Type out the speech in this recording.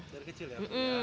dari kecil ya